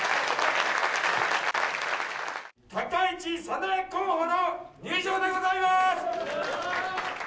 高市早苗候補の入場でございます。